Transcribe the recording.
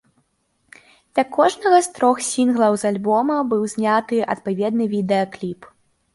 Для кожнага з трох сінглаў з альбома быў зняты адпаведны відэа-кліп.